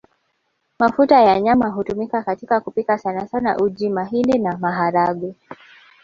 Mafuta ya nyama hutumika katika kupika sanasana uji mahindi na maharagwe